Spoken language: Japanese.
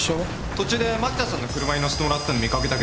途中で蒔田さんの車に乗してもらってんの見掛けたけど。